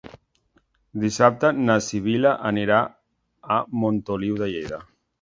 Dissabte na Sibil·la anirà a Montoliu de Lleida.